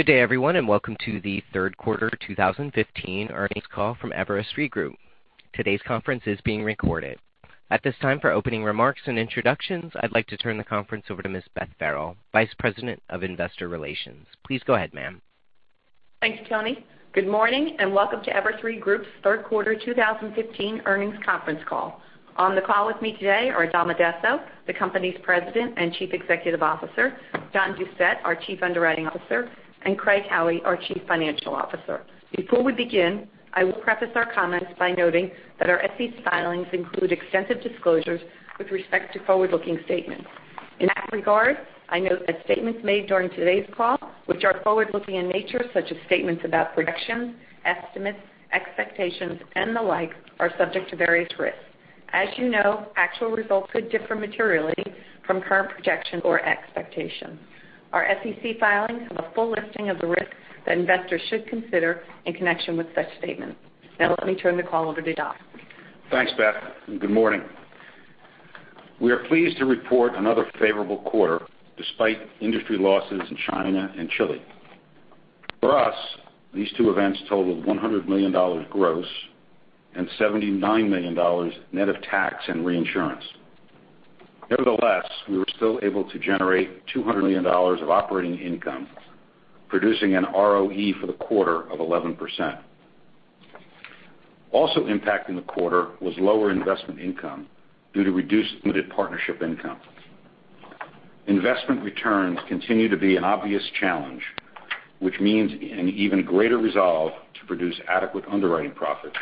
Good day, everyone, and welcome to the third quarter 2015 earnings call from Everest Re Group. Today's conference is being recorded. At this time, for opening remarks and introductions, I'd like to turn the conference over to Ms. Beth Farrell, Vice President of Investor Relations. Please go ahead, ma'am. Thanks, Tony. Good morning, and welcome to Everest Re Group's third quarter 2015 earnings conference call. On the call with me today are Dominic Addesso, the company's President and Chief Executive Officer, John Doucette, our Chief Underwriting Officer, and Craig Howie, our Chief Financial Officer. Before we begin, I will preface our comments by noting that our SEC filings include extensive disclosures with respect to forward-looking statements. In that regard, I note that statements made during today's call, which are forward-looking in nature, such as statements about projections, estimates, expectations and the like, are subject to various risks. As you know, actual results could differ materially from current projections or expectations. Our SEC filings have a full listing of the risks that investors should consider in connection with such statements. Let me turn the call over to Dom. Thanks, Beth, and good morning. We are pleased to report another favorable quarter, despite industry losses in China and Chile. For us, these two events totaled $100 million gross and $79 million net of tax and reinsurance. We were still able to generate $200 million of operating income, producing an ROE for the quarter of 11%. Also impacting the quarter was lower investment income due to reduced limited partnership income. Investment returns continue to be an obvious challenge, which means an even greater resolve to produce adequate underwriting profit,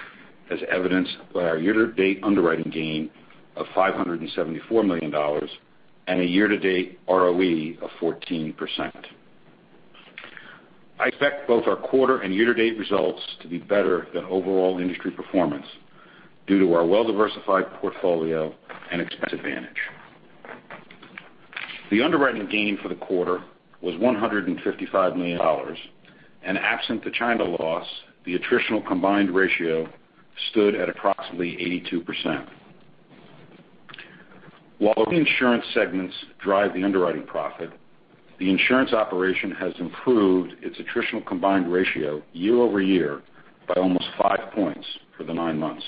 as evidenced by our year-to-date underwriting gain of $574 million and a year-to-date ROE of 14%. I expect both our quarter and year-to-date results to be better than overall industry performance due to our well-diversified portfolio and expense advantage. The underwriting gain for the quarter was $155 million. Absent the China loss, the attritional combined ratio stood at approximately 82%. While the insurance segments drive the underwriting profit, the insurance operation has improved its attritional combined ratio year-over-year by almost five points for the nine months.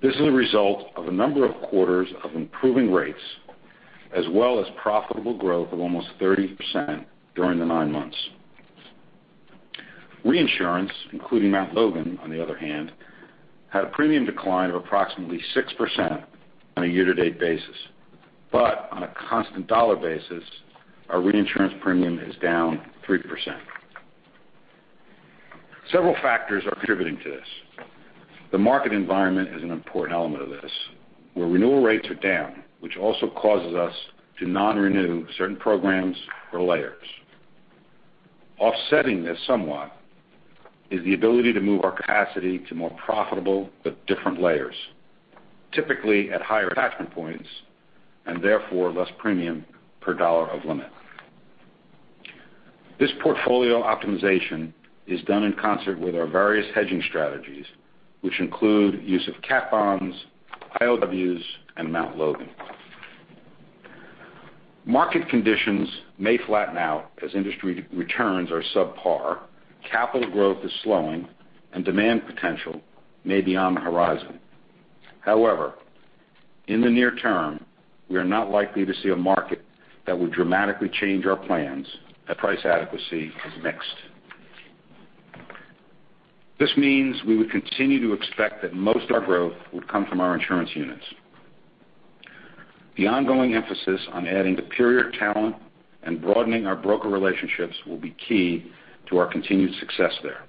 This is a result of a number of quarters of improving rates, as well as profitable growth of almost 30% during the nine months. Reinsurance, including Mt. Logan, on the other hand, had a premium decline of approximately 6% on a year-to-date basis. On a constant dollar basis, our reinsurance premium is down 3%. Several factors are contributing to this. The market environment is an important element of this, where renewal rates are down, which also causes us to non-renew certain programs or layers. Offsetting this somewhat is the ability to move our capacity to more profitable but different layers, typically at higher attachment points and therefore less premium per dollar of limit. This portfolio optimization is done in concert with our various hedging strategies, which include use of cat bonds, ILWs and Mt. Logan. Market conditions may flatten out as industry returns are subpar, capital growth is slowing, and demand potential may be on the horizon. However, in the near term, we are not likely to see a market that would dramatically change our plans as price adequacy is mixed. This means we would continue to expect that most of our growth would come from our insurance units. The ongoing emphasis on adding superior talent and broadening our broker relationships will be key to our continued success there.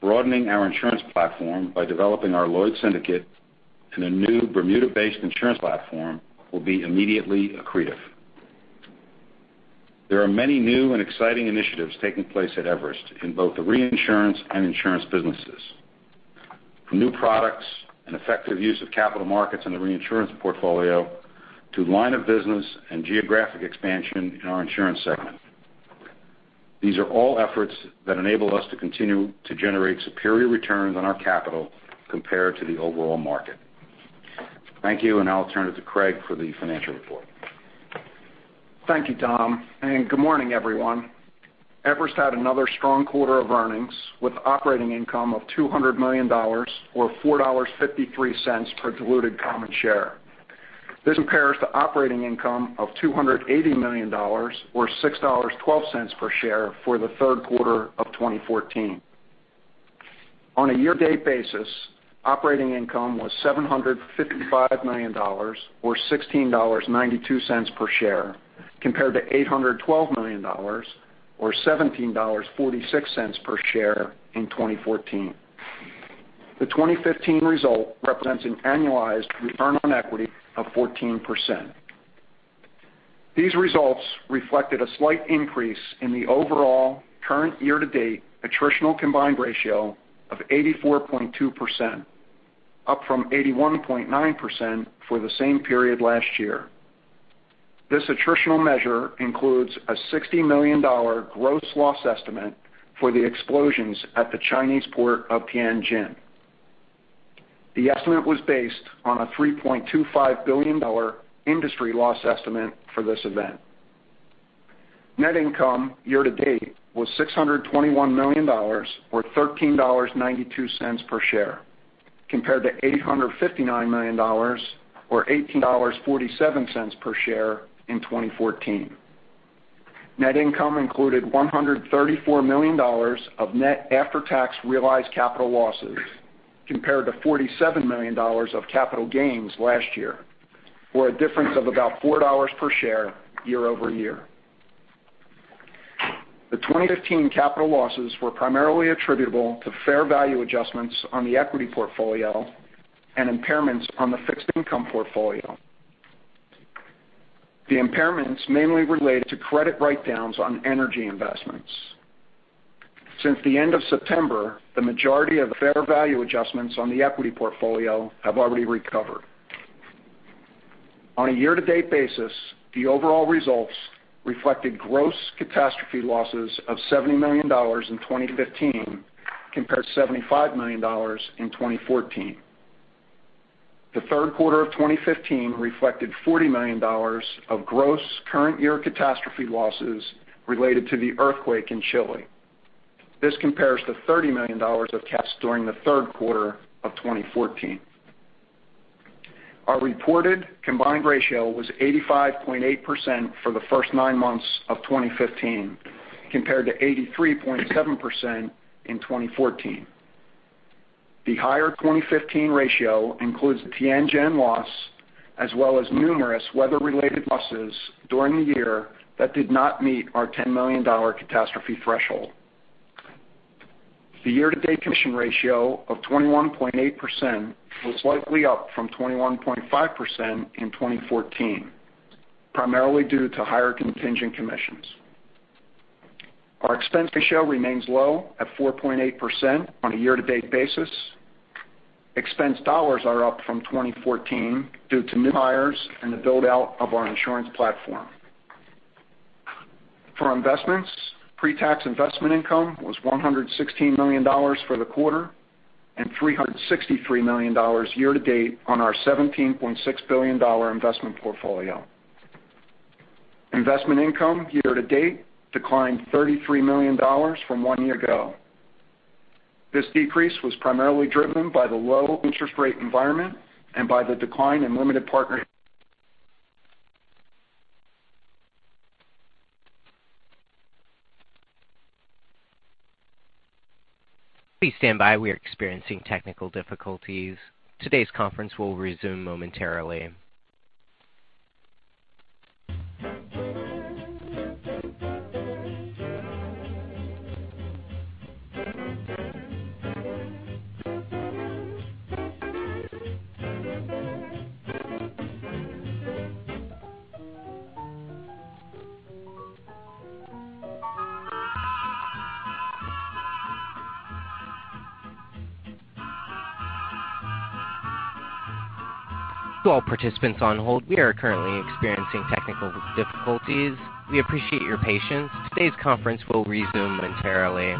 Broadening our insurance platform by developing our Lloyd's syndicate and a new Bermuda-based insurance platform will be immediately accretive. There are many new and exciting initiatives taking place at Everest in both the reinsurance and insurance businesses. From new products and effective use of capital markets in the reinsurance portfolio to line of business and geographic expansion in our insurance segment. These are all efforts that enable us to continue to generate superior returns on our capital compared to the overall market. Thank you. I'll turn it to Craig for the financial report. Thank you, Dom. Good morning, everyone. Everest had another strong quarter of earnings with operating income of $200 million or $4.53 per diluted common share. This compares to operating income of $280 million or $6.12 per share for the third quarter of 2014. On a year-to-date basis, operating income was $755 million or $16.92 per share, compared to $812 million or $17.46 per share in 2014. The 2015 result represents an annualized return on equity of 14%. These results reflected a slight increase in the overall current year-to-date attritional combined ratio of 84.2%, up from 81.9% for the same period last year. This attritional measure includes a $60 million gross loss estimate for the explosions at the Chinese port of Tianjin. The estimate was based on a $3.25 billion industry loss estimate for this event. Net income year-to-date was $621 million, or $13.92 per share, compared to $859 million, or $18.47 per share in 2014. Net income included $134 million of net after-tax realized capital losses, compared to $47 million of capital gains last year, or a difference of about $4 per share year-over-year. The 2015 capital losses were primarily attributable to fair value adjustments on the equity portfolio and impairments on the fixed income portfolio. The impairments mainly related to credit write-downs on energy investments. Since the end of September, the majority of the fair value adjustments on the equity portfolio have already recovered. On a year-to-date basis, the overall results reflected gross catastrophe losses of $70 million in 2015 compared to $75 million in 2014. The third quarter of 2015 reflected $40 million of gross current year catastrophe losses related to the earthquake in Chile. This compares to $30 million of cats during the third quarter of 2014. Our reported combined ratio was 85.8% for the first nine months of 2015, compared to 83.7% in 2014. The higher 2015 ratio includes the Tianjin loss, as well as numerous weather-related losses during the year that did not meet our $10 million catastrophe threshold. The year-to-date commission ratio of 21.8% was slightly up from 21.5% in 2014, primarily due to higher contingent commissions. Our expense ratio remains low at 4.8% on a year-to-date basis. Expense dollars are up from 2014 due to new hires and the build-out of our insurance platform. For investments, pre-tax investment income was $116 million for the quarter and $363 million year to date on our $17.6 billion investment portfolio. Investment income year to date declined $33 million from one year ago. This decrease was primarily driven by the low interest rate environment and by the decline in limited partner- Please stand by. We are experiencing technical difficulties. Today's conference will resume momentarily. To all participants on hold, we are currently experiencing technical difficulties. We appreciate your patience. Today's conference will resume momentarily.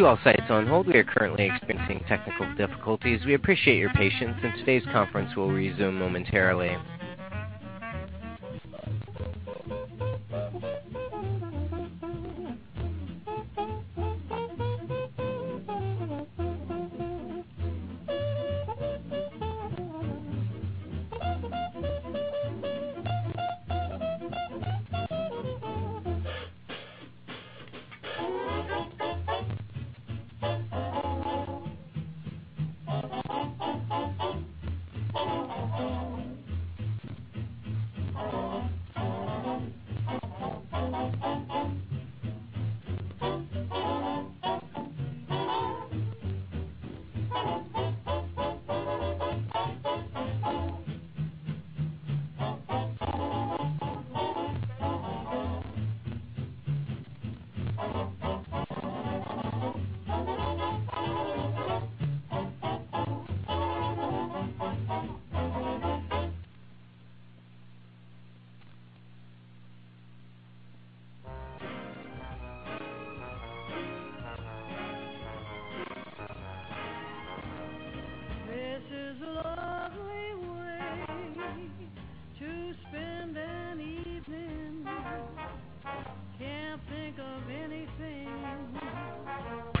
To all sites on hold, we are currently experiencing technical difficulties. We appreciate your patience. Today's conference will resume momentarily.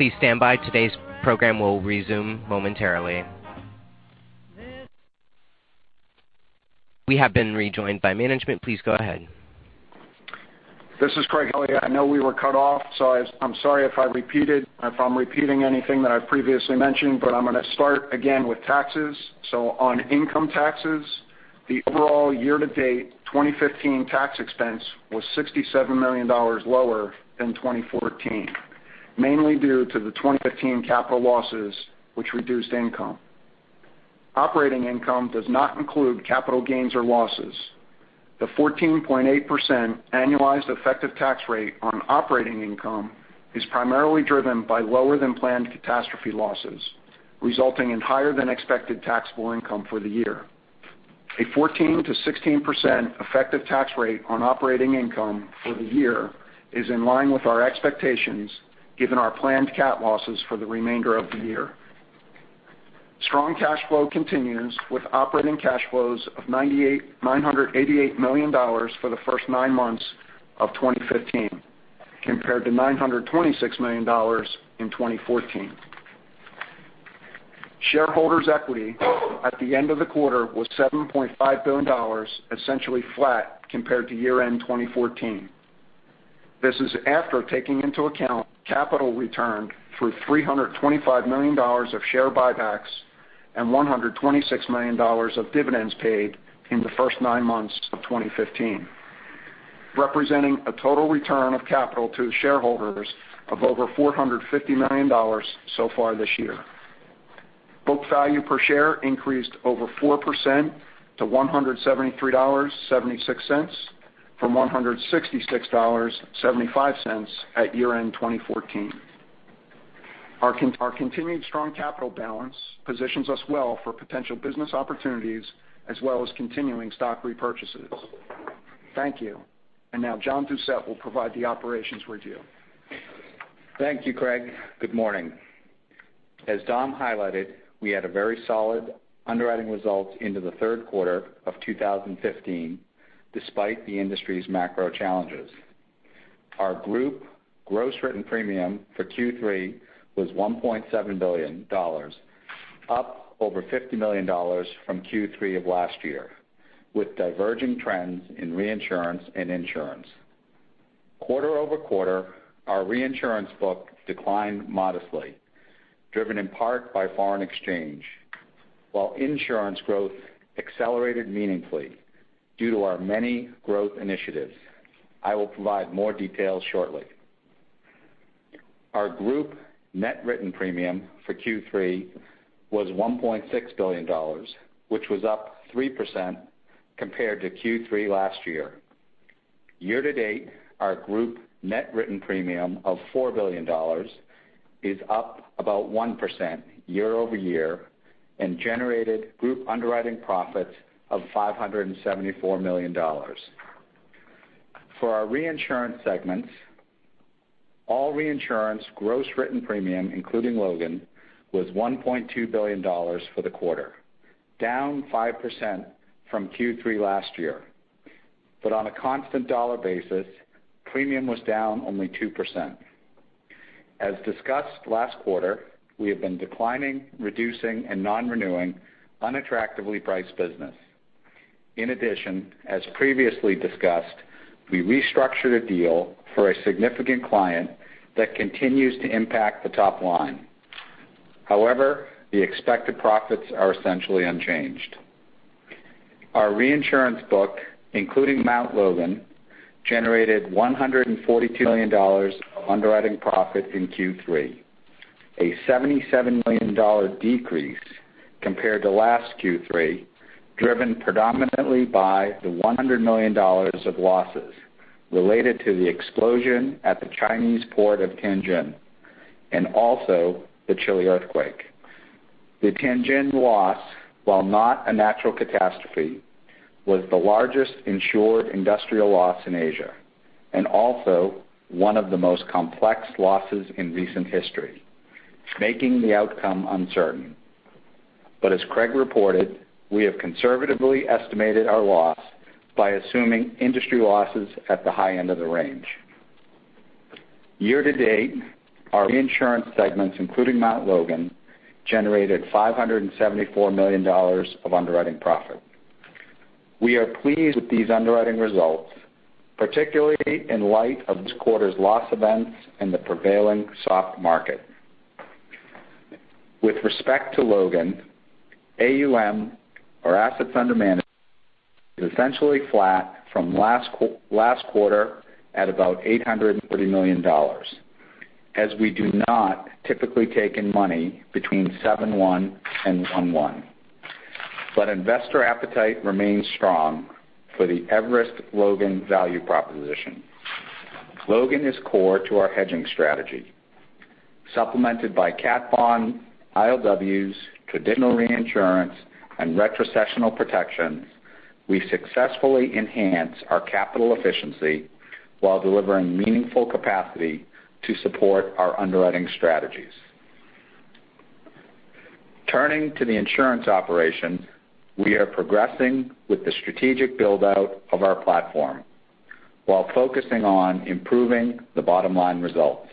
This is a lovely way to spend an evening. Can't think of anything- Please stand by. Today's program will resume momentarily. We have been rejoined by management. Please go ahead. This is Craig Howie. I know we were cut off, I'm sorry if I'm repeating anything that I previously mentioned. I'm going to start again with taxes. On income taxes, the overall year-to-date 2015 tax expense was $67 million lower than 2014, mainly due to the 2015 capital losses, which reduced income. Operating income does not include capital gains or losses. The 14.8% annualized effective tax rate on operating income is primarily driven by lower than planned catastrophe losses, resulting in higher than expected taxable income for the year. A 14%-16% effective tax rate on operating income for the year is in line with our expectations, given our planned cat losses for the remainder of the year. Strong cash flow continues with operating cash flows of $988 million for the first nine months of 2015, compared to $926 million in 2014. Shareholders' equity at the end of the quarter was $7.5 billion, essentially flat compared to year-end 2014. This is after taking into account capital returned through $325 million of share buybacks and $126 million of dividends paid in the first nine months of 2015, representing a total return of capital to the shareholders of over $450 million so far this year. Book value per share increased over 4% to $173.76 from $166.75 at year-end 2014. Our continued strong capital balance positions us well for potential business opportunities as well as continuing stock repurchases. Thank you. Now John Doucette will provide the operations review. Thank you, Craig. Good morning. As Dom highlighted, we had a very solid underwriting result into the third quarter of 2015, despite the industry's macro challenges. Our group gross written premium for Q3 was $1.7 billion, up over $50 million from Q3 of last year, with diverging trends in reinsurance and insurance. Quarter-over-quarter, our reinsurance book declined modestly, driven in part by foreign exchange, while insurance growth accelerated meaningfully due to our many growth initiatives. I will provide more details shortly. Our group net written premium for Q3 was $1.6 billion, which was up 3% compared to Q3 last year. Year to date, our group net written premium of $4 billion is up about 1% year-over-year and generated group underwriting profits of $574 million. For our reinsurance segments, all reinsurance gross written premium, including Logan, was $1.2 billion for the quarter, down 5% from Q3 last year. On a constant dollar basis, premium was down only 2%. As discussed last quarter, we have been declining, reducing, and non-renewing unattractively priced business. In addition, as previously discussed, we restructured a deal for a significant client that continues to impact the top line. However, the expected profits are essentially unchanged. Our reinsurance book, including Mount Logan, generated $142 million of underwriting profit in Q3, a $77 million decrease compared to last Q3, driven predominantly by the $100 million of losses related to the explosion at the Chinese port of Tianjin and also the Chile earthquake. The Tianjin loss, while not a natural catastrophe, was the largest insured industrial loss in Asia and also one of the most complex losses in recent history, making the outcome uncertain. As Craig reported, we have conservatively estimated our loss by assuming industry losses at the high end of the range. Year to date, our reinsurance segments, including Mount Logan, generated $574 million of underwriting profit. We are pleased with these underwriting results, particularly in light of this quarter's loss events and the prevailing soft market. With respect to Logan, AUM or assets under management is essentially flat from last quarter at about $840 million, as we do not typically take in money between 7/1 and 1/1. Investor appetite remains strong for the Everest Logan value proposition. Logan is core to our hedging strategy. Supplemented by cat bonds, ILWs, traditional reinsurance, and retrocessional protections, we successfully enhance our capital efficiency while delivering meaningful capacity to support our underwriting strategies. Turning to the insurance operation, we are progressing with the strategic build-out of our platform while focusing on improving the bottom-line results.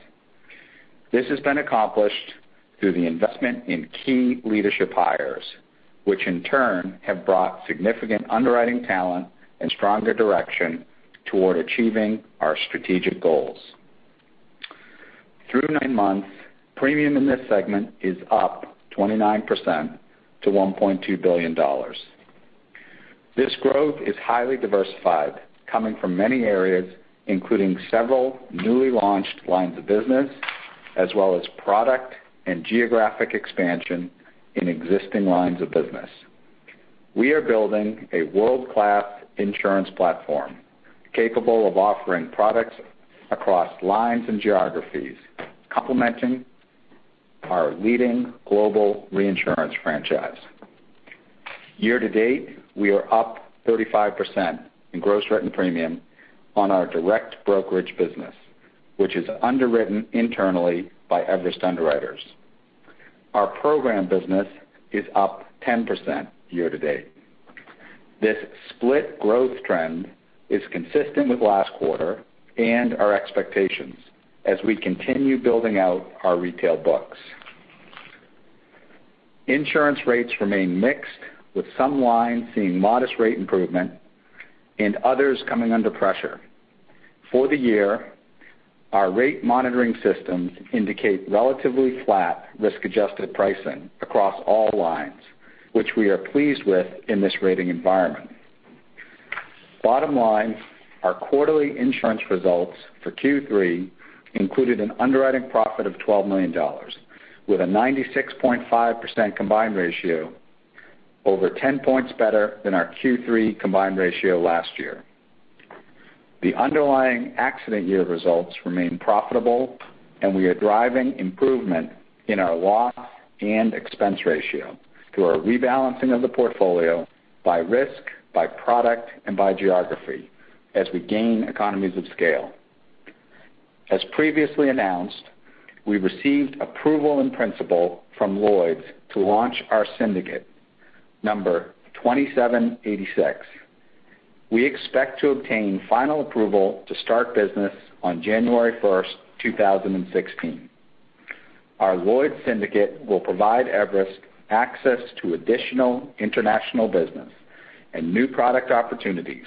This has been accomplished through the investment in key leadership hires, which in turn have brought significant underwriting talent and stronger direction toward achieving our strategic goals. Through nine months, premium in this segment is up 29% to $1.2 billion. This growth is highly diversified, coming from many areas, including several newly launched lines of business, as well as product and geographic expansion in existing lines of business. We are building a world-class insurance platform capable of offering products across lines and geographies, complementing our leading global reinsurance franchise. Year to date, we are up 35% in gross written premium on our direct brokerage business, which is underwritten internally by Everest Underwriters. Our program business is up 10% year to date. This split growth trend is consistent with last quarter and our expectations as we continue building out our retail books. Insurance rates remain mixed, with some lines seeing modest rate improvement and others coming under pressure. For the year, our rate monitoring systems indicate relatively flat risk-adjusted pricing across all lines, which we are pleased with in this rating environment. Bottom line, our quarterly insurance results for Q3 included an underwriting profit of $12 million, with a 96.5% combined ratio, over 10 points better than our Q3 combined ratio last year. The underlying accident year results remain profitable, and we are driving improvement in our loss and expense ratio through our rebalancing of the portfolio by risk, by product, and by geography as we gain economies of scale. As previously announced, we received approval in principle from Lloyd's to launch our Syndicate 2786. We expect to obtain final approval to start business on January 1, 2016. Our Lloyd's Syndicate will provide Everest access to additional international business and new product opportunities,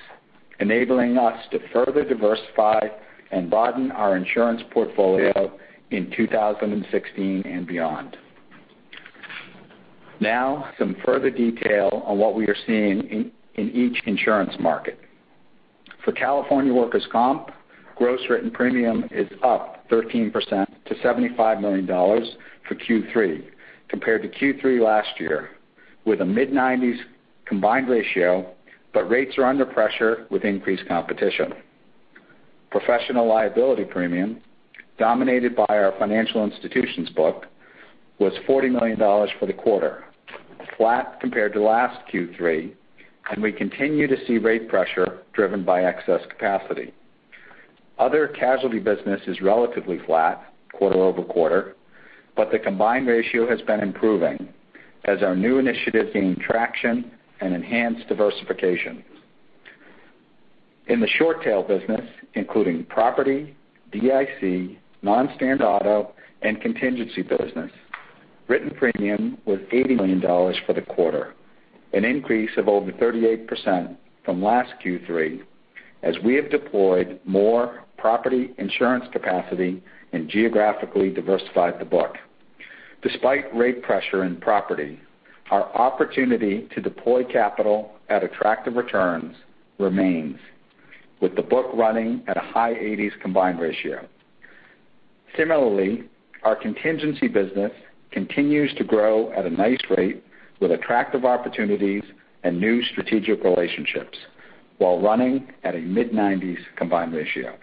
enabling us to further diversify and broaden our insurance portfolio in 2016 and beyond. Some further detail on what we are seeing in each insurance market. For California workers' comp, gross written premium is up 13% to $75 million for Q3 compared to Q3 last year, with a mid-90s combined ratio, but rates are under pressure with increased competition. Professional liability premium, dominated by our financial institutions book, was $40 million for the quarter, flat compared to last Q3, and we continue to see rate pressure driven by excess capacity. Other casualty business is relatively flat quarter-over-quarter, but the combined ratio has been improving as our new initiatives gain traction and enhance diversification. In the short tail business, including property, DIC, non-standard auto, and contingency business, written premium was $80 million for the quarter, an increase of over 38% from last Q3 as we have deployed more property insurance capacity and geographically diversified the book. Despite rate pressure in property, our opportunity to deploy capital at attractive returns remains, with the book running at a high 80s combined ratio. Similarly, our contingency business continues to grow at a nice rate with attractive opportunities and new strategic relationships while running at a mid-90s combined ratio.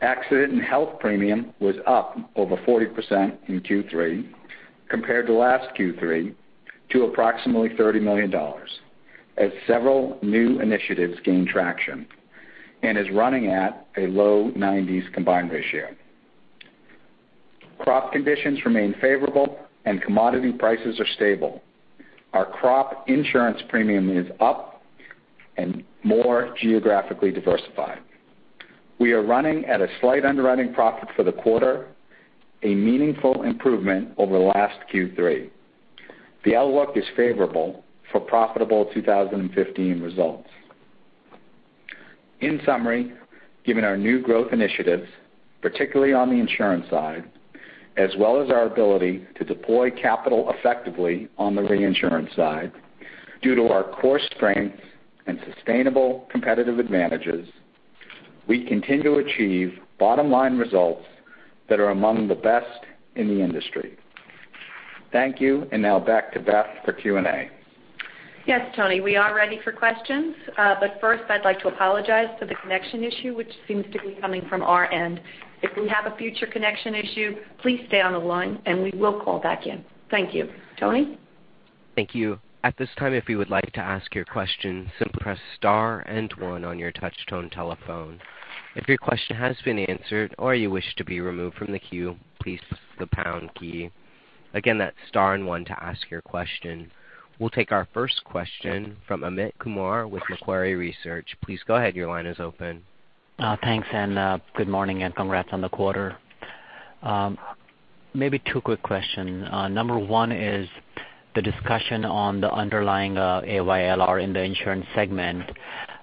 Accident and Health premium was up over 40% in Q3 compared to last Q3 to approximately $30 million, as several new initiatives gain traction and is running at a low 90s combined ratio. Crop conditions remain favorable, and commodity prices are stable. Our crop insurance premium is up and more geographically diversified. We are running at a slight underwriting profit for the quarter, a meaningful improvement over last Q3. The outlook is favorable for profitable 2015 results. In summary, given our new growth initiatives, particularly on the insurance side, as well as our ability to deploy capital effectively on the reinsurance side, due to our core strengths and sustainable competitive advantages, we continue to achieve bottom-line results that are among the best in the industry. Thank you. Now back to Beth for Q&A. Yes, Tony, we are ready for questions. First, I'd like to apologize for the connection issue, which seems to be coming from our end. If we have a future connection issue, please stay on the line and we will call back in. Thank you. Tony? Thank you. At this time, if you would like to ask your question, simply press star and one on your touch tone telephone. If your question has been answered or you wish to be removed from the queue, please press the pound key. Again, that's star and one to ask your question. We'll take our first question from Amit Kumar with Macquarie Research. Please go ahead. Your line is open. Thanks, and good morning, and congrats on the quarter. Maybe two quick question. Number one is the discussion on the underlying AYLR in the insurance segment.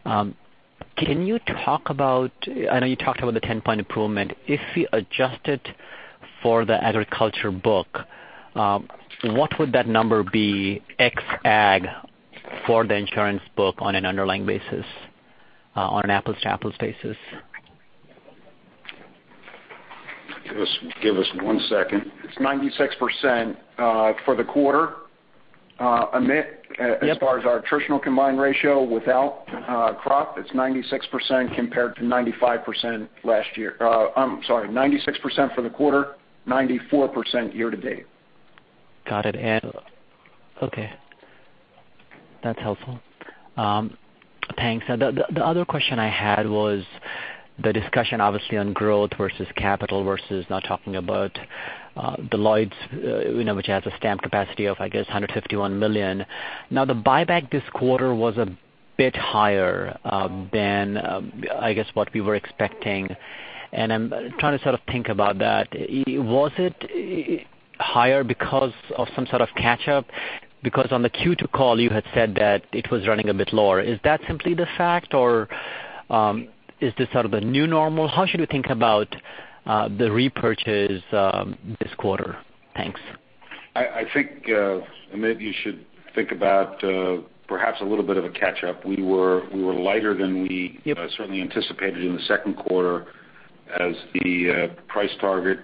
Can you talk about, I know you talked about the 10-point improvement. If we adjusted for the agriculture book, what would that number be, ex ag, for the insurance book on an underlying basis, on an apples-to-apples basis? Give us one second. It's 96% for the quarter, Amit. Yep. As far as our attritional combined ratio without crop, it's 96% compared to 95% last year. I'm sorry, 96% for the quarter, 94% year to date. Got it. Okay. That's helpful. Thanks. The other question I had was the discussion, obviously, on growth versus capital versus now talking about the Lloyd's, which has a stamp capacity of, I guess, $151 million. The buyback this quarter was a bit higher than, I guess, what we were expecting, and I'm trying to think about that. Was it higher because of some sort of catch-up? Because on the Q2 call, you had said that it was running a bit lower. Is that simply the fact, or is this sort of a new normal? How should we think about the repurchase this quarter? Thanks. I think, Amit, you should think about perhaps a little bit of a catch-up. We were lighter than. Yep certainly anticipated in the second quarter as the price target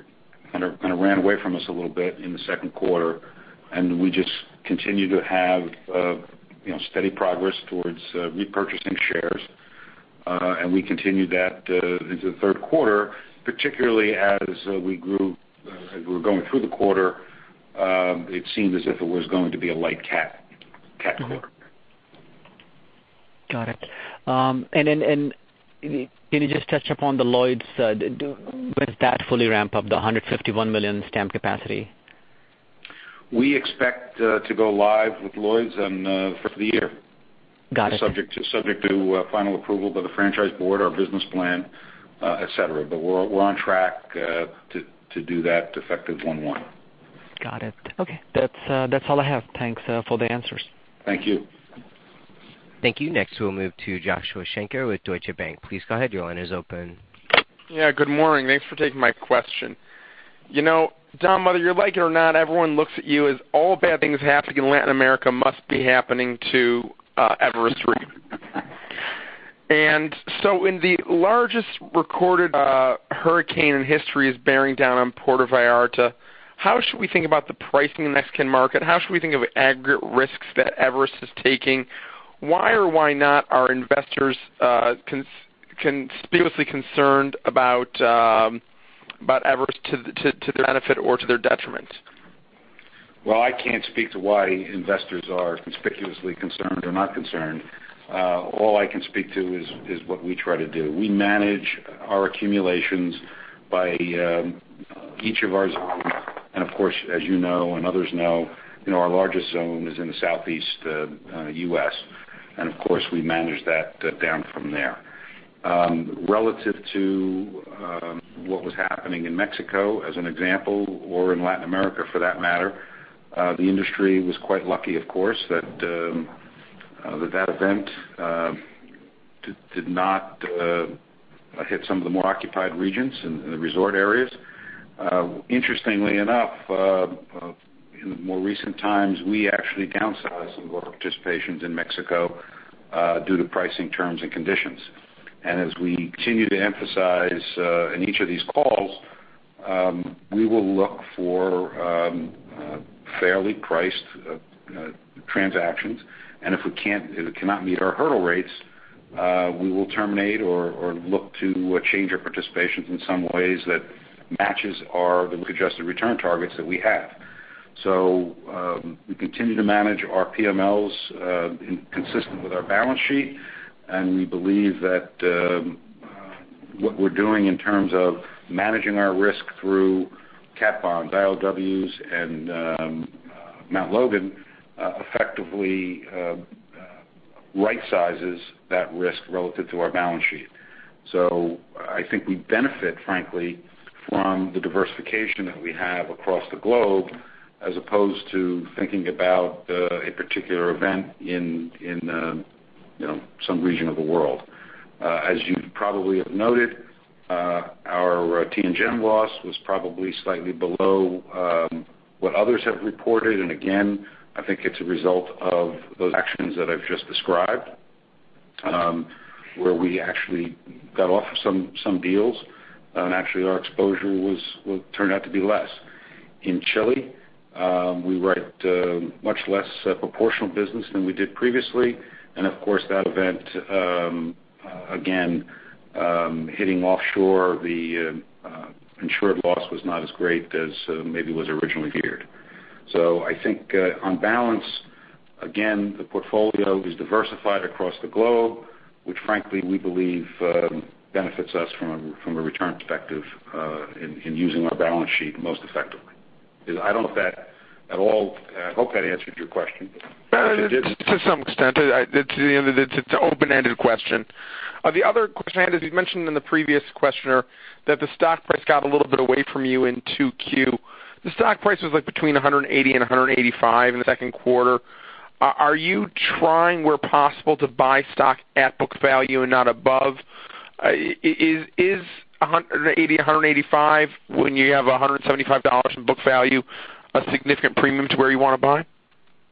kind of ran away from us a little bit in the second quarter. We just continue to have steady progress towards repurchasing shares. We continued that into the third quarter, particularly as we grew, as we were going through the quarter, it seemed as if it was going to be a light cat quarter. Got it. Can you just touch upon the Lloyd's? When does that fully ramp up, the $151 million stamp capacity? We expect to go live with Lloyd's in the first of the year. Got it. Subject to final approval by the franchise board, our business plan, et cetera. We're on track to do that effective one/one. Got it. Okay. That's all I have. Thanks for the answers. Thank you. Thank you. Next, we'll move to Joshua Shanker with Deutsche Bank. Please go ahead. Your line is open. Good morning. Thanks for taking my question. Dom, whether you like it or not, everyone looks at you as all bad things happening in Latin America must be happening to Everest Re. So when the largest recorded hurricane in history is bearing down on Puerto Vallarta, how should we think about the pricing in the Mexican market? How should we think of aggregate risks that Everest is taking? Why or why not are investors conspicuously concerned about Everest to their benefit or to their detriment? Well, I can't speak to why investors are conspicuously concerned or not concerned. All I can speak to is what we try to do. We manage our accumulations by each of our zones. Of course, as you know, and others know, our largest zone is in the southeast U.S., and of course, we manage that down from there. Relative to what was happening in Mexico, as an example, or in Latin America, for that matter, the industry was quite lucky, of course, that event did not hit some of the more occupied regions in the resort areas. Interestingly enough, in more recent times, we actually downsized some of our participations in Mexico due to pricing terms and conditions. As we continue to emphasize in each of these calls, we will look for fairly priced transactions. If it cannot meet our hurdle rates, we will terminate or look to change our participations in some ways that matches our risk-adjusted return targets that we have. We continue to manage our PMLs consistent with our balance sheet, and we believe that what we're doing in terms of managing our risk through cat bonds, ILWs, and Mt. Logan effectively right sizes that risk relative to our balance sheet. I think we benefit, frankly, from the diversification that we have across the globe as opposed to thinking about a particular event in some region of the world. As you probably have noted, our TNJ loss was probably slightly below what others have reported. Again, I think it's a result of those actions that I've just described, where we actually got off some deals. Actually, our exposure turned out to be less. In Chile, we write much less proportional business than we did previously. Of course, that event, again, hitting offshore, the insured loss was not as great as maybe was originally feared. I think on balance, again, the portfolio is diversified across the globe, which frankly we believe benefits us from a return perspective in using our balance sheet most effectively. I hope that answered your question. To some extent. It's an open-ended question. The other question I had is, you mentioned in the previous questioner that the stock price got a little bit away from you in 2Q. The stock price was between $180 and $185 in the second quarter. Are you trying where possible to buy stock at book value and not above? Is $180, $185, when you have $175 in book value, a significant premium to where you want to buy?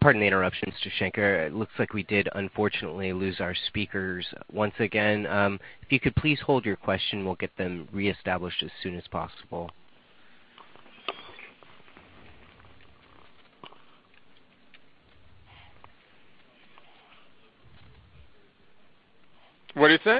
Pardon the interruption, Mr. Shanker. It looks like we did unfortunately lose our speakers once again. If you could please hold your question, we'll get them reestablished as soon as possible. What did you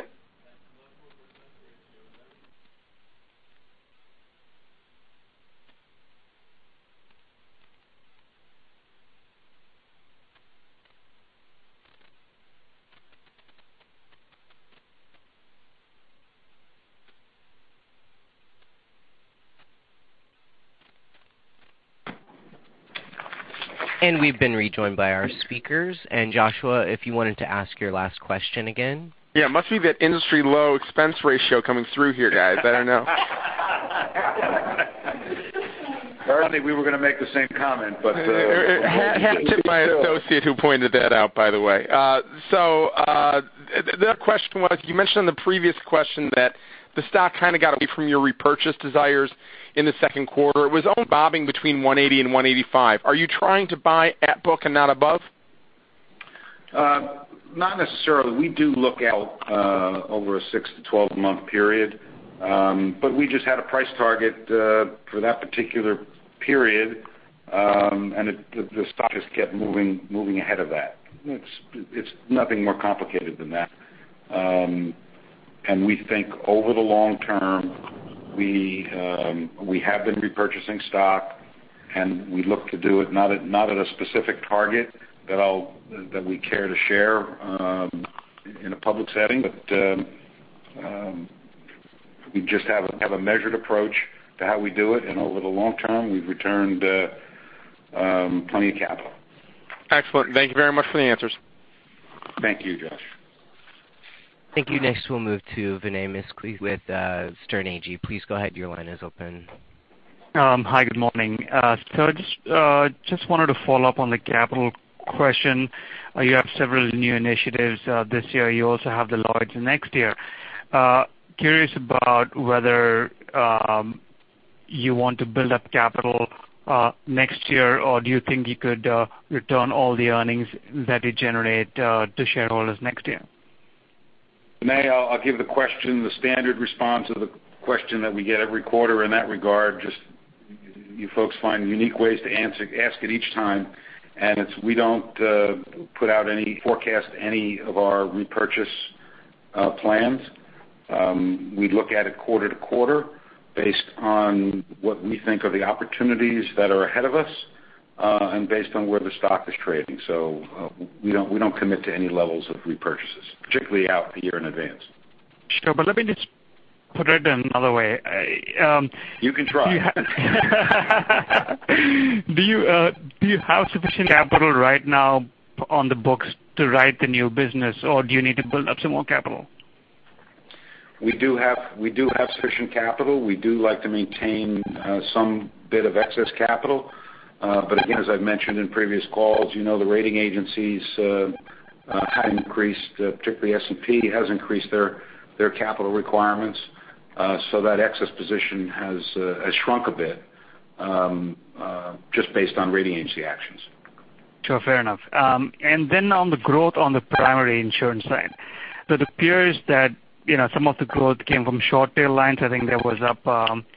say? We've been rejoined by our speakers. Joshua, if you wanted to ask your last question again. It must be that industry low expense ratio coming through here, guys. I don't know. I think we were going to make the same comment. Hat tip to my associate who pointed that out, by the way. The question was, you mentioned in the previous question that the stock kind of got away from your repurchase desires in the second quarter. It was only bobbing between 180 and 185. Are you trying to buy at book and not above? Not necessarily. We do look out over a six to 12-month period. We just had a price target for that particular period, and the stock just kept moving ahead of that. It's nothing more complicated than that. We think over the long term, we have been repurchasing stock, and we look to do it, not at a specific target that we care to share in a public setting, but we just have a measured approach to how we do it, and over the long term, we've returned plenty of capital. Excellent. Thank you very much for the answers. Thank you, Josh. Thank you. Next, we'll move to Vinay Misquith with Sterne Agee. Please go ahead. Your line is open. Hi, good morning. I just wanted to follow up on the capital question. You have several new initiatives this year. You also have the Lloyd's next year. Curious about whether you want to build up capital next year, or do you think you could return all the earnings that you generate to shareholders next year? Vinay, I'll give the standard response of the question that we get every quarter in that regard, just you folks find unique ways to ask it each time. It's we don't put out any forecast, any of our repurchase plans. We look at it quarter to quarter based on what we think are the opportunities that are ahead of us, and based on where the stock is trading. We don't commit to any levels of repurchases, particularly out a year in advance. Sure. Let me just put it another way. You can try. Do you have sufficient capital right now on the books to write the new business, or do you need to build up some more capital? We do have sufficient capital. We do like to maintain some bit of excess capital. Again, as I've mentioned in previous calls, the rating agencies have increased, particularly S&P has increased their capital requirements. That excess position has shrunk a bit, just based on rating agency actions. Sure, fair enough. Then on the growth on the primary insurance side, it appears that some of the growth came from short tail lines. I think that was up 40%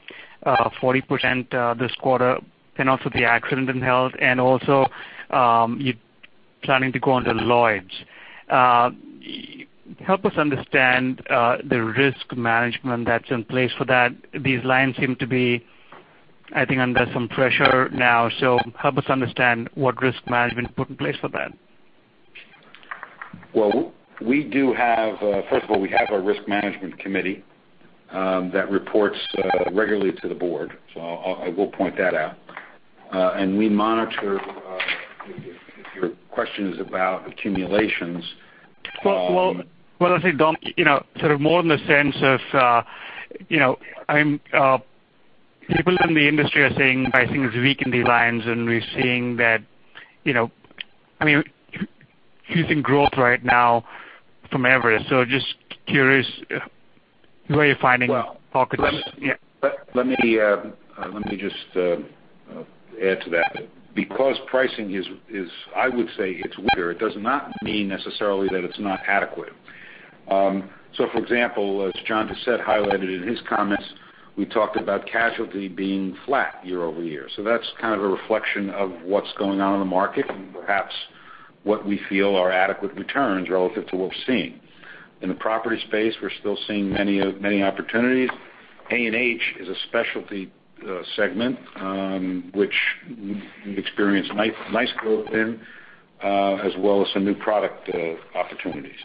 this quarter, and also the accident and health, and also you're planning to go under Lloyd's. Help us understand the risk management that's in place for that. These lines seem to be, I think, under some pressure now, help us understand what risk management put in place for that. Well, first of all, we have our risk management committee that reports regularly to the board, so I will point that out. We monitor if your question is about accumulations. Well, I say, Dom, sort of more in the sense of people in the industry are saying pricing is weak in these lines, and we're seeing that, I mean, using growth right now from Everest. Just curious where you're finding pockets. Let me just add to that. Because pricing is, I would say it's weaker, it does not mean necessarily that it's not adequate. For example, as John Doucette highlighted in his comments, we talked about casualty being flat year-over-year. That's kind of a reflection of what's going on in the market and perhaps what we feel are adequate returns relative to what we're seeing. In the property space, we're still seeing many opportunities. A&H is a specialty segment, which we experienced nice growth in, as well as some new product opportunities.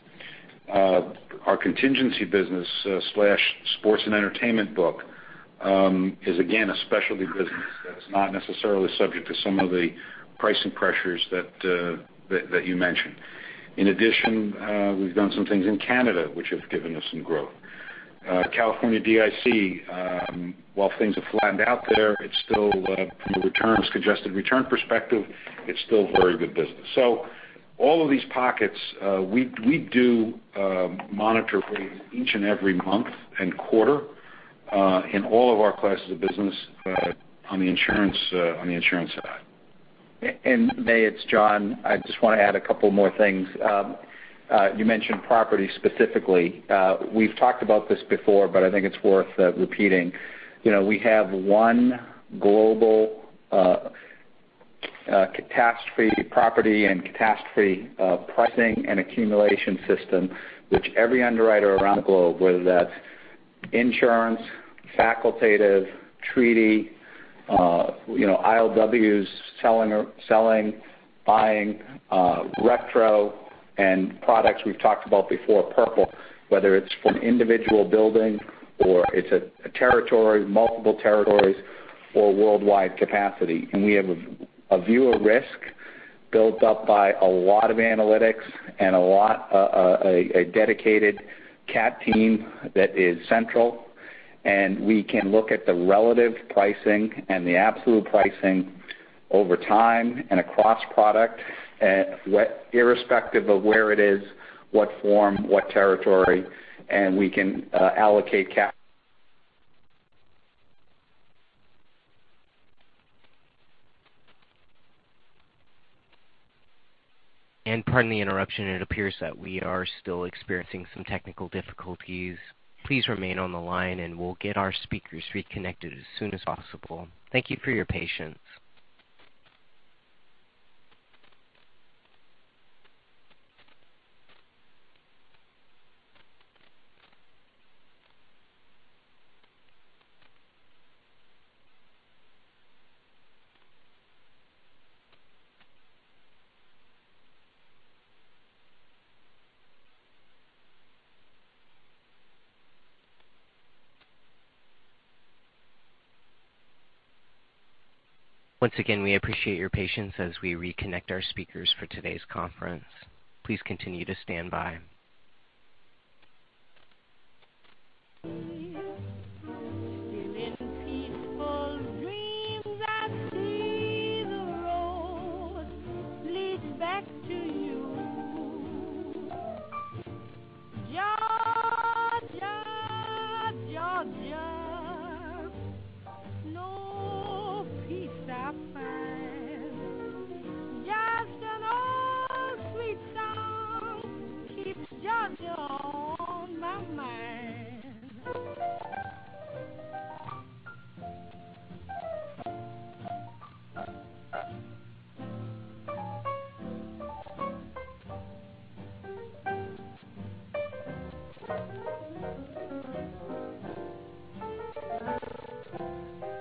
Our contingency business/sports and entertainment book is again, a specialty business that is not necessarily subject to some of the pricing pressures that you mentioned. In addition, we've done some things in Canada which have given us some growth. California DIC, while things have flattened out there, from a returns congested return perspective, it's still very good business. All of these pockets we do monitor for each and every month and quarter in all of our classes of business on the insurance side. Vinay, it's John. I just want to add a couple more things. You mentioned property specifically. We've talked about this before, but I think it's worth repeating. We have one global catastrophe property and catastrophe pricing and accumulation system which every underwriter around the globe, whether that's insurance, facultative, treaty, ILWs, selling, buying, retro, and products we've talked about before, peril by peril, whether it's for an individual building or it's a territory, multiple territories or worldwide capacity. We have a view of risk built up by a lot of analytics and a dedicated cat team that is central, and we can look at the relative pricing and the absolute pricing over time and across product irrespective of where it is, what form, what territory, and we can allocate cap Pardon the interruption. It appears that we are still experiencing some technical difficulties. Please remain on the line and we'll get our speakers reconnected as soon as possible. Thank you for your patience. Once again, we appreciate your patience as we reconnect our speakers for today's conference. Please continue to stand by. Still in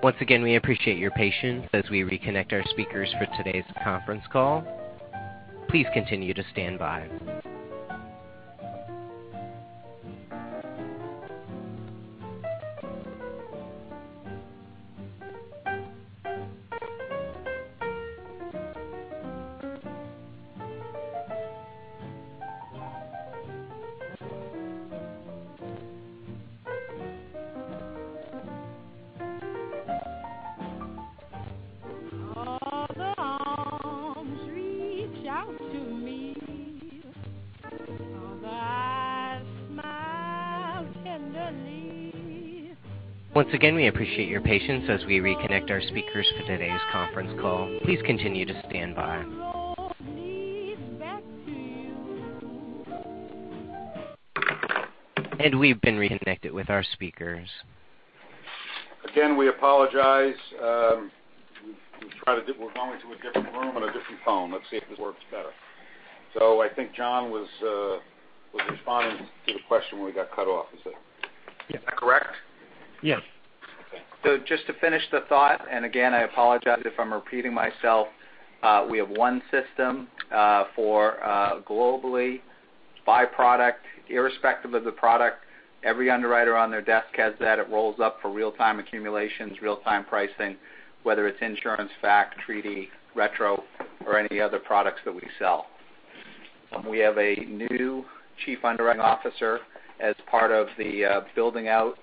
peaceful dreams I see the road leads back to you. Georgia, no peace I find. Just an old sweet song keeps Georgia on my mind. Once again, we appreciate your patience as we reconnect our speakers for today's conference call. Please continue to stand by. All the arms reach out to me. All the eyes smile tenderly. Once again, we appreciate your patience as we reconnect our speakers for today's conference call. Please continue to stand by. The road leads back to you. We've been reconnected with our speakers. We apologize. We're going to a different room and a different phone. Let's see if this works better. I think John was responding to the question when we got cut off. Is that correct? Yes. Okay. Just to finish the thought, again, I apologize if I'm repeating myself. We have one system for globally by product, irrespective of the product. Every underwriter on their desk has that. It rolls up for real-time accumulations, real-time pricing, whether it's insurance, fac, treaty, retro, or any other products that we sell. We have a new Chief Underwriting Officer as part of the building out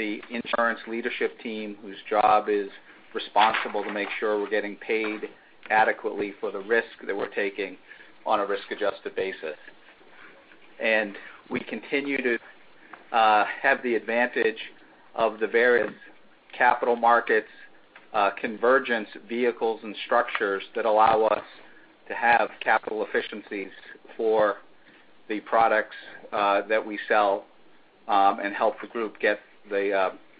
the insurance leadership team, whose job is responsible to make sure we're getting paid adequately for the risk that we're taking on a risk-adjusted basis. We continue to have the advantage of the various capital markets, convergence vehicles and structures that allow us to have capital efficiencies for the products that we sell and help the group get the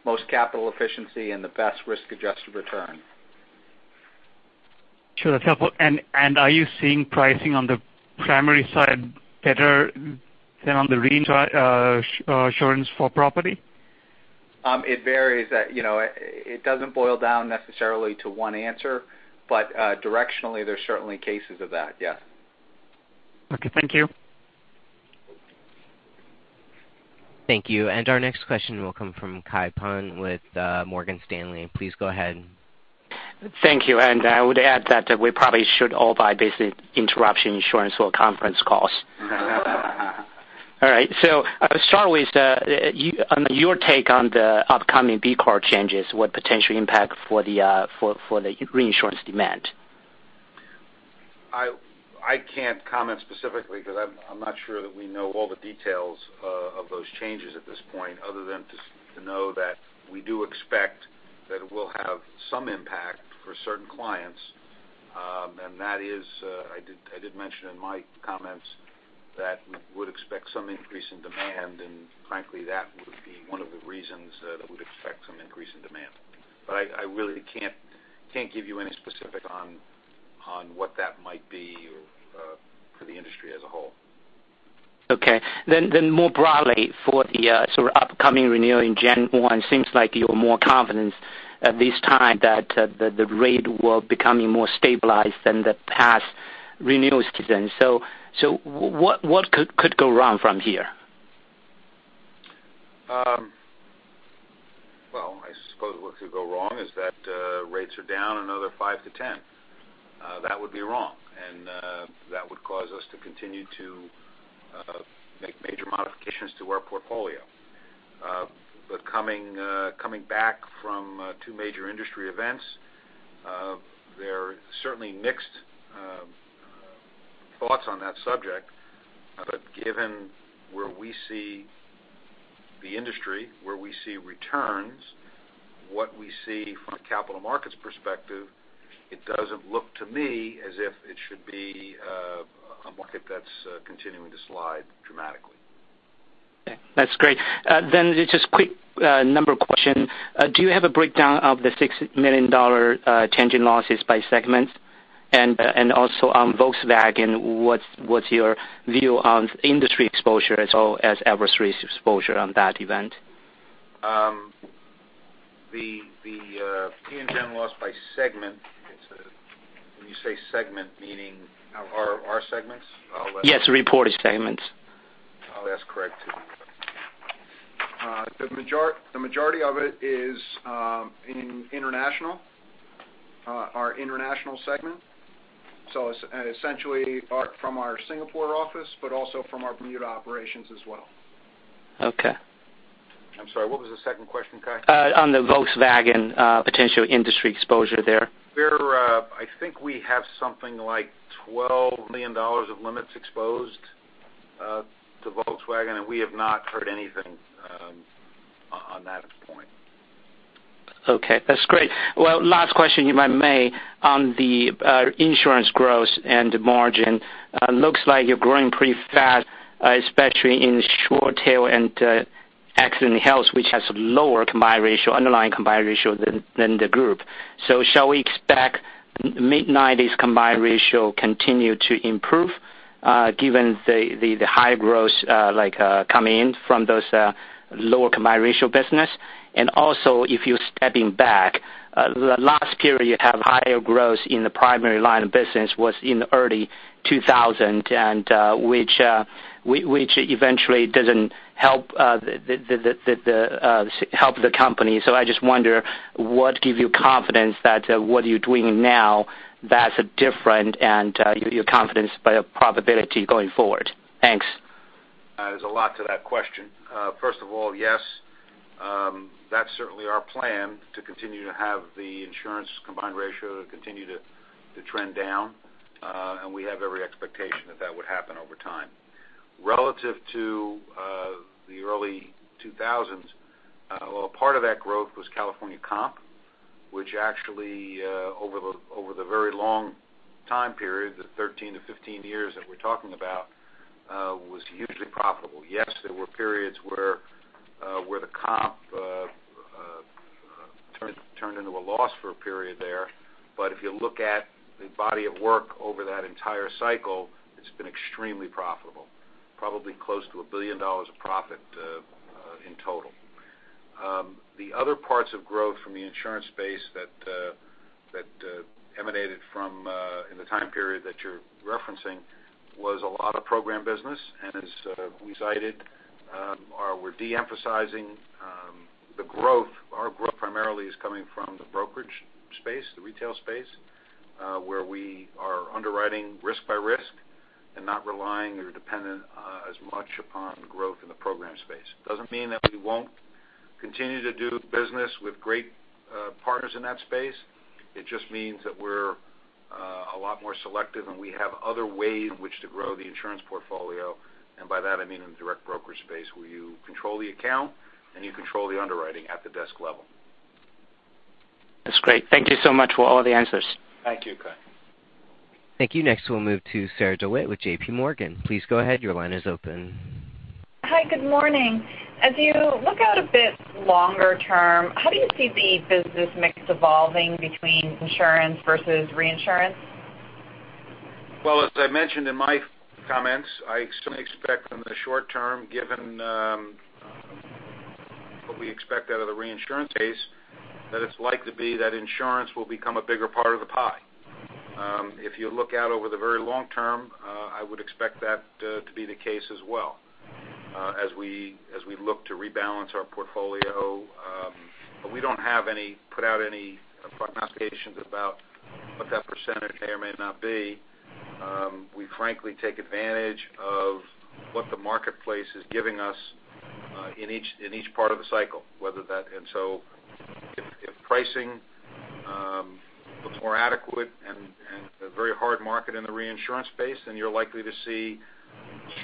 most capital efficiency and the best risk-adjusted return. Sure. That's helpful. Are you seeing pricing on the primary side better than on the reinsurance for property? It varies. It doesn't boil down necessarily to one answer, but directionally, there's certainly cases of that, yes. Okay. Thank you. Thank you. Our next question will come from Kai Pan with Morgan Stanley. Please go ahead. Thank you. I would add that we probably should all buy basic interruption insurance for conference calls. All right. I'll start with your take on the upcoming BCAR changes, what potential impact for the reinsurance demand? I can't comment specifically because I'm not sure that we know all the details of those changes at this point other than to know that we do expect that it will have some impact for certain clients. That is, I did mention in my comments that we would expect some increase in demand, and frankly, that would be one of the reasons that we'd expect some increase in demand. I really can't give you any specific on what that might be for the industry as a whole. Okay. More broadly for the sort of upcoming renewal in January 1, seems like you're more confident at this time that the rate will become more stabilized than the past renewal season. What could go wrong from here? Well, I suppose what could go wrong is that rates are down another 5%-10%. That would be wrong, and that would cause us to continue to make major modifications to our portfolio. Coming back from two major industry events, there are certainly mixed thoughts on that subject. Given where we see the industry, where we see returns, what we see from a capital markets perspective, it doesn't look to me as if it should be a market that's continuing to slide dramatically. Okay, that's great. Just quick number question. Do you have a breakdown of the $6 million change in losses by segments? Also on Volkswagen, what's your view on industry exposure as well as Everest Group's exposure on that event? The P&L loss by segment, when you say segment meaning our segments? Yes, reported segments. I'll ask Craig to answer. The majority of it is in international, our international segment. Essentially from our Singapore office, but also from our Bermuda operations as well. Okay. I'm sorry, what was the second question, Kai? On the Volkswagen potential industry exposure there. I think we have something like $12 million of limits exposed to Volkswagen, we have not heard anything on that point. Okay, that's great. Well, last question, if I may, on the insurance growth and margin. Looks like you're growing pretty fast, especially in short tail and accident health, which has lower combined ratio, underlying combined ratio than the group. Shall we expect mid-90s combined ratio continue to improve given the high growth coming in from those lower combined ratio business? If you're stepping back, the last period you have higher growth in the primary line of business was in early 2000, which eventually doesn't help the company. I just wonder what give you confidence that what you're doing now that's different, and your confidence by the probability going forward? Thanks. There's a lot to that question. First of all, yes, that's certainly our plan to continue to have the insurance combined ratio to continue to trend down. We have every expectation that that would happen over time. Relative to the early 2000s, well, part of that growth was California comp, which actually over the very long time period, the 13 to 15 years that we're talking about, was hugely profitable. Yes, there were periods where the comp turned into a loss for a period there. If you look at the body of work over that entire cycle, it's been extremely profitable, probably close to $1 billion of profit in total. The other parts of growth from the insurance space that emanated from in the time period that you're referencing was a lot of program business. As we cited, we're de-emphasizing the growth. Our growth primarily is coming from the brokerage space, the retail space, where we are underwriting risk by risk and not relying or dependent as much upon growth in the program space. Doesn't mean that we won't continue to do business with great partners in that space. It just means that we're a lot more selective, and we have other ways in which to grow the insurance portfolio. By that I mean in the direct broker space, where you control the account, and you control the underwriting at the desk level. That's great. Thank you so much for all the answers. Thank you, Kai. Thank you. Next, we'll move to Sarah DeWitt with JP Morgan. Please go ahead. Your line is open. Hi, good morning. As you look out a bit longer term, how do you see the business mix evolving between insurance versus reinsurance? Well, as I mentioned in my comments, I certainly expect in the short term, given what we expect out of the reinsurance market, that it's likely to be that insurance will become a bigger part of the pie. If you look out over the very long term, I would expect that to be the case as well as we look to rebalance our portfolio. We don't put out any prognostications about what that percentage may or may not be. We frankly take advantage of what the marketplace is giving us in each part of the cycle. Pricing looks more adequate and a very hard market in the reinsurance space, and you're likely to see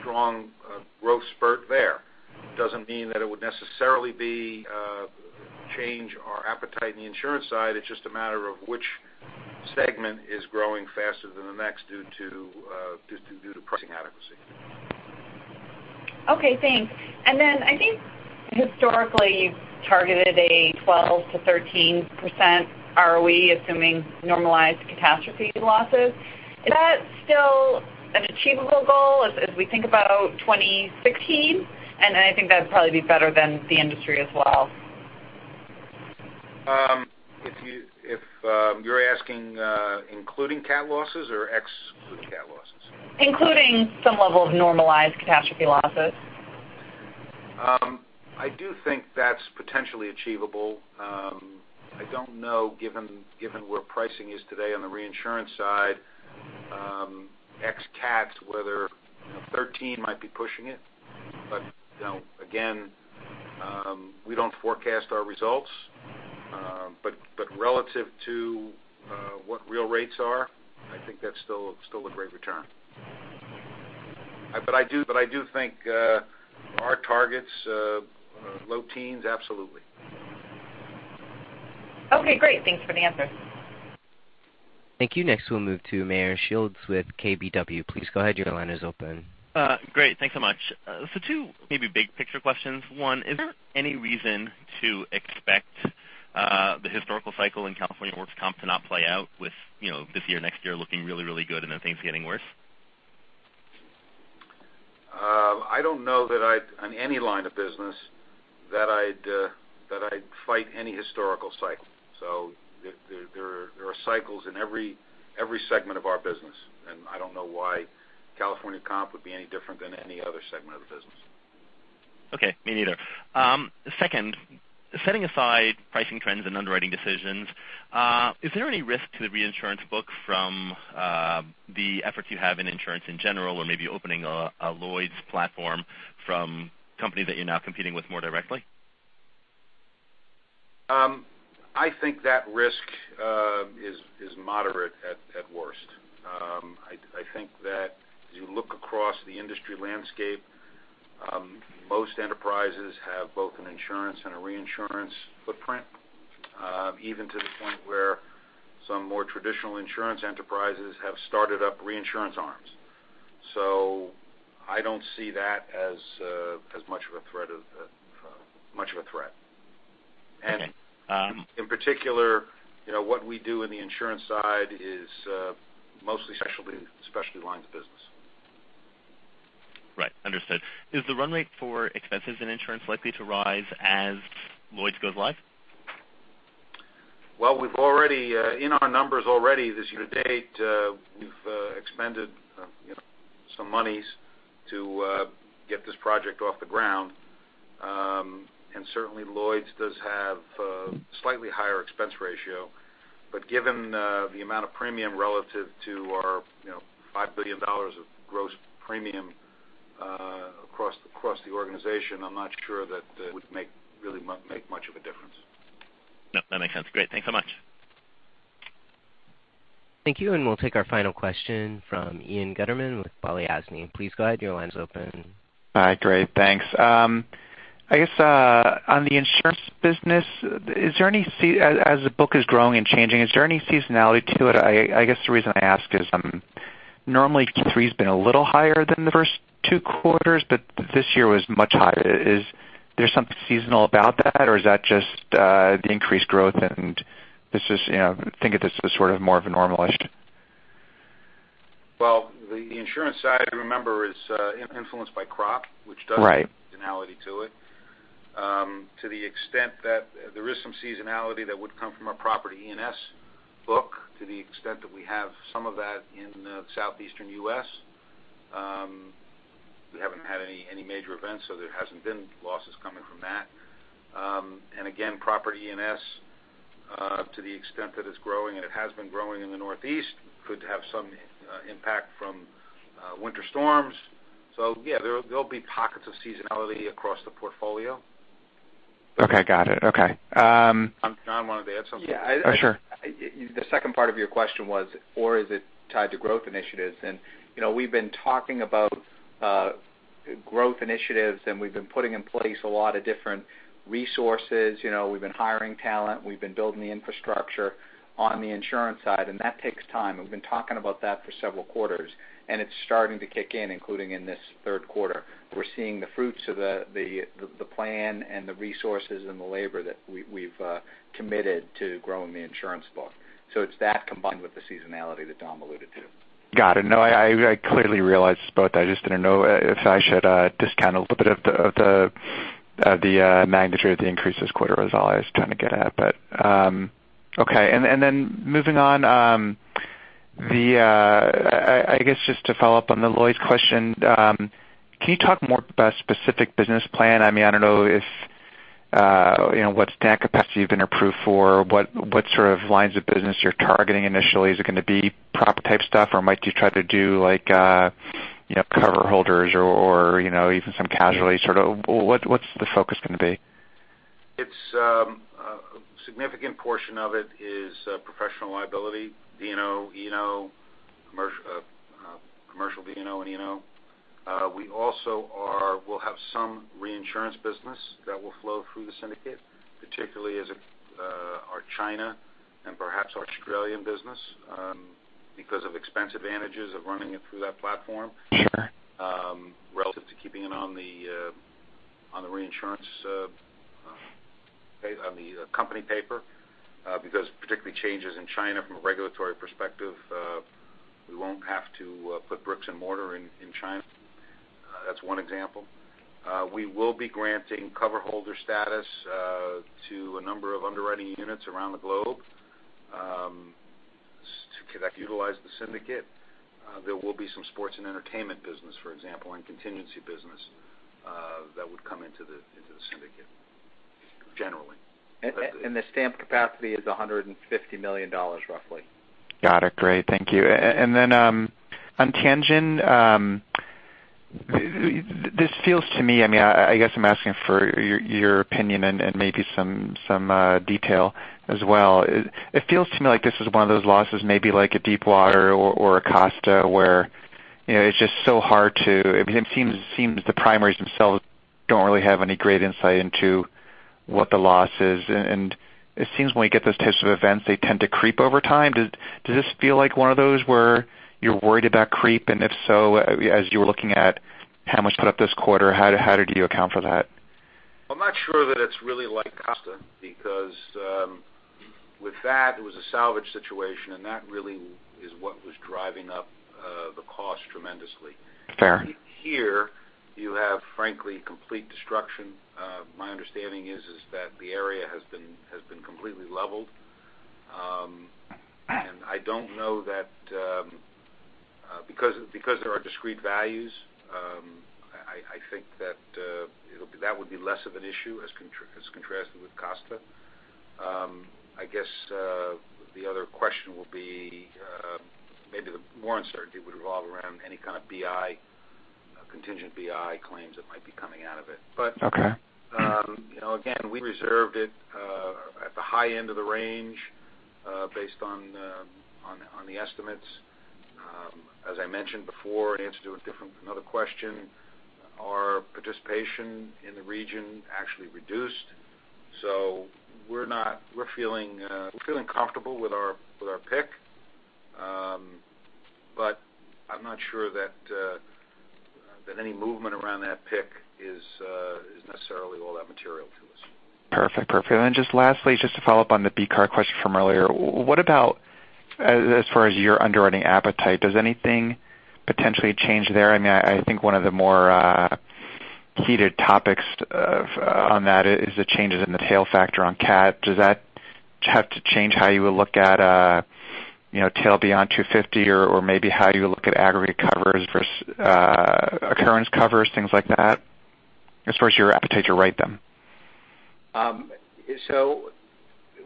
strong growth spurt there. It doesn't mean that it would necessarily be a change our appetite in the insurance side, it's just a matter of which segment is growing faster than the next due to pricing adequacy. Okay, thanks. I think historically, you've targeted a 12%-13% ROE, assuming normalized catastrophe losses. Is that still an achievable goal as we think about 2016? I think that'd probably be better than the industry as well. If you're asking including cat losses or exclude cat losses? Including some level of normalized catastrophe losses. I do think that's potentially achievable. I don't know, given where pricing is today on the reinsurance side, ex cats, whether 13 might be pushing it. Again, we don't forecast our results. Relative to what real rates are, I think that's still a great return. I do think our target's low teens, absolutely. Okay, great. Thanks for the answer. Thank you. Next, we'll move to Meyer Shields with KBW. Please go ahead. Your line is open. Thanks so much. Two maybe big picture questions. One, is there any reason to expect the historical cycle in California workers' comp to not play out with this year or next year looking really good and then things getting worse? I don't know that on any line of business that I'd fight any historical cycle. There are cycles in every segment of our business, and I don't know why California comp would be any different than any other segment of the business. Okay. Me neither. Second, setting aside pricing trends and underwriting decisions, is there any risk to the reinsurance book from the efforts you have in insurance in general or maybe opening a Lloyd's platform from companies that you're now competing with more directly? I think that risk is moderate at worst. I think that as you look across the industry landscape, most enterprises have both an insurance and a reinsurance footprint, even to the point where some more traditional insurance enterprises have started up reinsurance arms. I don't see that as much of a threat. Okay. In particular, what we do in the insurance side is mostly specialty lines of business. Right. Understood. Is the run rate for expenses in insurance likely to rise as Lloyd's goes live? Well, in our numbers already this year to date, we've expended some monies to get this project off the ground. Certainly Lloyd's does have a slightly higher expense ratio. Given the amount of premium relative to our $5 billion of gross premium across the organization, I'm not sure that would really make much of a difference. No, that makes sense. Great. Thanks so much. Thank you. We'll take our final question from Ian Gutterman with Balyasny. Please go ahead. Your line's open. Hi. Great. Thanks. I guess on the insurance business, as the book is growing and changing, is there any seasonality to it? I guess the reason I ask is normally Q3's been a little higher than the first two quarters, but this year was much higher. Is there something seasonal about that, or is that just the increased growth and think of this as sort of more of a normalized? Well, the insurance side, remember, is influenced by crop- Right which does have seasonality to it. To the extent that there is some seasonality that would come from our property E&S book, to the extent that we have some of that in the southeastern U.S. We haven't had any major events, so there hasn't been losses coming from that. Again, property E&S, to the extent that it's growing, and it has been growing in the Northeast, could have some impact from winter storms. Yeah, there'll be pockets of seasonality across the portfolio. Okay. Got it. Okay. John wanted to add something. Yeah. Sure. The second part of your question was, or is it tied to growth initiatives? We've been talking about growth initiatives, and we've been putting in place a lot of different resources. We've been hiring talent. We've been building the infrastructure on the insurance side, and that takes time. We've been talking about that for several quarters, and it's starting to kick in, including in this third quarter. We're seeing the fruits of the plan and the resources and the labor that we've committed to growing the insurance book. It's that combined with the seasonality that Dom alluded to. Got it. No, I clearly realized it's both. I just didn't know if I should discount a little bit of the magnitude of the increase this quarter was all I was trying to get at. Okay. Moving on, I guess just to follow up on the Lloyd's question, can you talk more about specific business plan? I don't know what stamp capacity you've been approved for or what sort of lines of business you're targeting initially. Is it going to be property type stuff, or might you try to do cover holders or even some casualty? What's the focus going to be? A significant portion of it is professional liability, D&O, E&O, commercial D&O and E&O. We also will have some reinsurance business that will flow through the syndicate, particularly as our China and perhaps Australian business, because of expense advantages of running it through that platform. Okay Relative to keeping it on the reinsurance, on the company paper, because particularly changes in China from a regulatory perspective, we won't have to put bricks and mortar in China. That's one example. We will be granting cover holder status to a number of underwriting units around the globe, to utilize the syndicate. There will be some sports and entertainment business, for example, and contingency business, that would come into the syndicate, generally. The stamp capacity is $150 million, roughly. Got it. Great. Thank you. Then, on Tianjin, this feels to me, I guess I'm asking for your opinion and maybe some detail as well. It feels to me like this is one of those losses, maybe like a Deepwater or a Costa, where it seems the primaries themselves don't really have any great insight into what the loss is. It seems when we get those types of events, they tend to creep over time. Does this feel like one of those where you're worried about creep? If so, as you were looking at how much put up this quarter, how did you account for that? I'm not sure that it's really like Costa because, with that, it was a salvage situation, and that really is what was driving up the cost tremendously. Okay. Here, you have, frankly, complete destruction. My understanding is that the area has been completely leveled. I don't know that because there are discrete values, I think that would be less of an issue as contrasted with Costa. I guess, the other question will be, maybe the more uncertainty would revolve around any kind of BI, contingent BI claims that might be coming out of it. Okay again, we reserved it at the high end of the range, based on the estimates. As I mentioned before in answer to another question, our participation in the region actually reduced. We're feeling comfortable with our pick. I'm not sure that any movement around that pick is necessarily all that material to us. Perfect. Just lastly, just to follow up on the BCAR question from earlier, what about as far as your underwriting appetite, does anything potentially change there? I think one of the more heated topics on that is the changes in the tail factor on CAT. Does that have to change how you would look at tail beyond 250 or maybe how you look at aggregate covers versus occurrence covers, things like that? As far as your appetite to write them.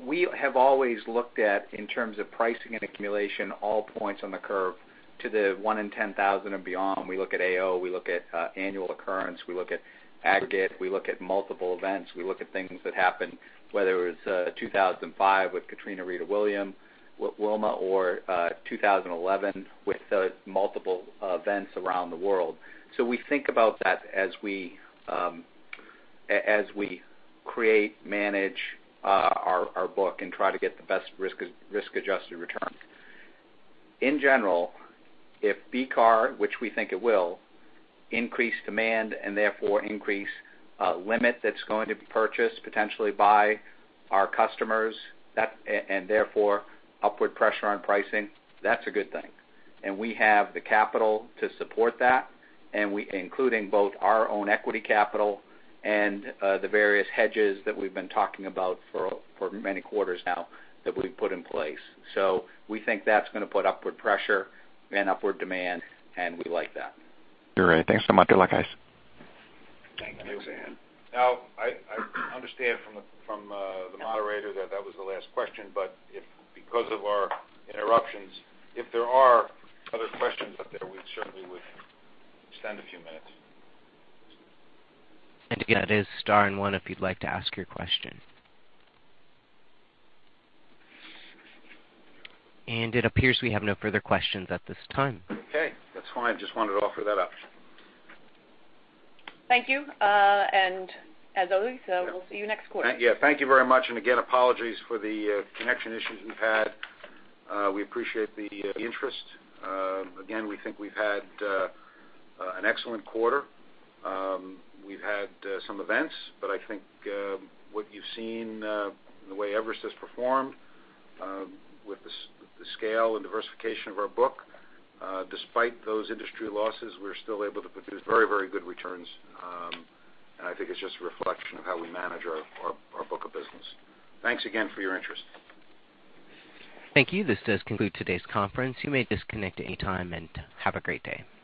We have always looked at, in terms of pricing and accumulation, all points on the curve to the 1 in 10,000 and beyond. We look at AO, we look at annual occurrence, we look at aggregate, we look at multiple events, we look at things that happened, whether it was 2005 with Hurricane Katrina, Hurricane Rita, Hurricane Wilma, or 2011 with the multiple events around the world. We think about that as we create, manage our book and try to get the best risk-adjusted return. In general, if BCAR, which we think it will, increase demand and therefore increase limit that's going to be purchased potentially by our customers and therefore upward pressure on pricing, that's a good thing. We have the capital to support that. Including both our own equity capital and the various hedges that we've been talking about for many quarters now that we've put in place. We think that's going to put upward pressure and upward demand, and we like that. Great. Thanks so much. Good luck, guys. Thank you. Thanks, Ian. I understand from the moderator that that was the last question, but because of our interruptions, if there are other questions out there, we certainly would spend a few minutes. Again, that is star and one if you'd like to ask your question. It appears we have no further questions at this time. Okay. That's fine. Just wanted to offer that up. Thank you. As always, we'll see you next quarter. Thank you very much. Again, apologies for the connection issues we've had. We appreciate the interest. Again, we think we've had an excellent quarter. We've had some events, I think what you've seen, the way Everest has performed, with the scale and diversification of our book. Despite those industry losses, we're still able to produce very, very good returns. I think it's just a reflection of how we manage our book of business. Thanks again for your interest. Thank you. This does conclude today's conference. You may disconnect any time and have a great day. Thank you.